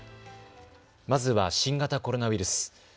まずは新型コロナウイルス。